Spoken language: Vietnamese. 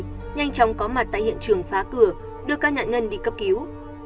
nhanh chóng có mặt tại hiện trường phá cửa đưa các nhận ngân đi cấp cứu